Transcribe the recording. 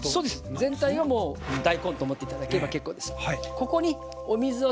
全体がもう大根と思って頂ければ結構です。